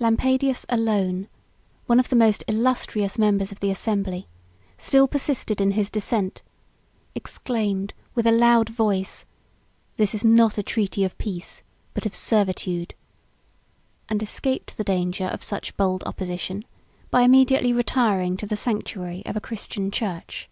Lampadius alone, one of the most illustrious members of the assembly, still persisted in his dissent; exclaimed, with a loud voice, "This is not a treaty of peace, but of servitude;" 103 and escaped the danger of such bold opposition by immediately retiring to the sanctuary of a Christian church.